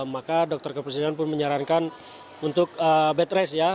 maka dokter kepresidenan pun menyarankan untuk bed rest ya